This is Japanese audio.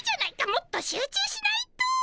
もっと集中しないと！